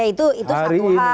oke itu satu hal